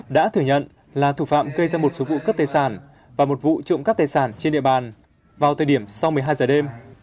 đã thừa nhận là thủ phạm gây ra một số vụ cướp tài sản và một vụ trộm cắp tài sản trên địa bàn vào thời điểm sau một mươi hai giờ đêm